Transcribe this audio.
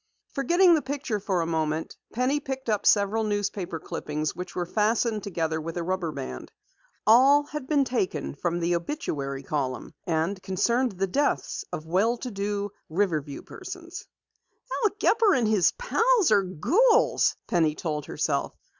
Forgetting the picture for a moment, Penny picked up several newspaper clippings which were fastened together with a rubber band. All had been taken from the obituary column and concerned the death of well to do Riverview persons. "Al Gepper and his pals are ghouls!" Penny told herself.